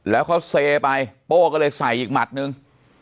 แล้วเขาเซไปโป้ก็เลยใส่อีกหมัดนึง